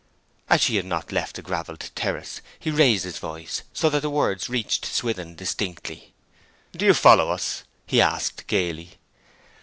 As she had not left the gravelled terrace he raised his voice, so that the words reached Swithin distinctly. 'Do you follow us?' he asked gaily.